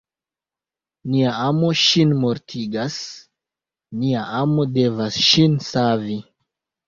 Nia amo ŝin mortigas: nia amo devas ŝin savi.